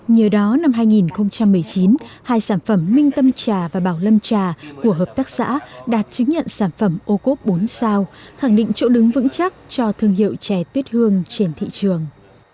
nhờ đó năm hai nghìn một mươi chín hai sản phẩm minh tâm trà và bảo lâm trà của hợp tác xã đạt chứng nhận sản phẩm ô cốp bốn sao khẳng định chỗ đứng vững chắc cho thương hiệu chè tuyết hương trên thị trường